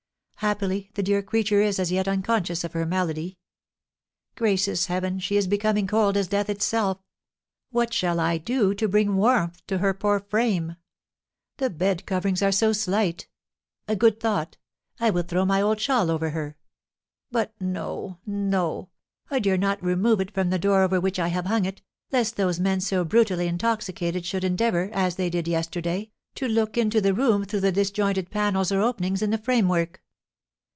Happily the dear creature is as yet unconscious of her malady! Gracious heaven, she is becoming cold as death itself! What shall I do to bring warmth to her poor frame? The bed coverings are so slight! A good thought! I will throw my old shawl over her. But no, no! I dare not remove it from the door over which I have hung it, lest those men so brutally intoxicated should endeavour, as they did yesterday, to look into the room through the disjointed panels or openings in the framework.